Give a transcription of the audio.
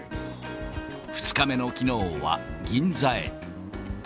２日目のきのうは、銀座へ。